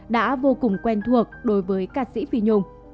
đã vô cùng quen thuộc đối với ca sĩ phi nhung